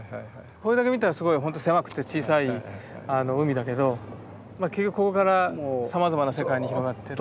これだけ見たらすごいほんと狭くて小さい海だけど結局ここからさまざまな世界に広がってる。